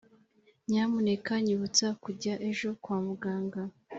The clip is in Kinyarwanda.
nyamuneka nyibutsa kujya ejo kwa muganga.